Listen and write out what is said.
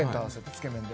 つけ麺で。